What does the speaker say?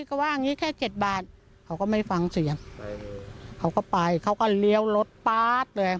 ก็ว่างี้แค่เจ็ดบาทเขาก็ไม่ฟังเสียงเขาก็ไปเขาก็เลี้ยวรถป๊าดเลย